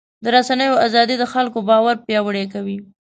د رسنیو ازادي د خلکو باور پیاوړی کوي.